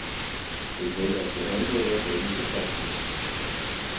Ik weet dat geen enkele wetgeving perfect is.